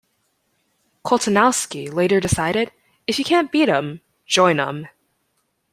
Koltanowski later decided "if you can't beat 'em, join 'em".